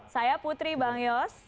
saya putri bang yos